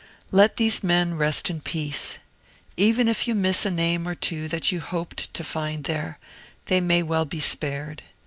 Let these men rest in peace. Even if you miss a name or two that you hoped to find there, they may well be spared.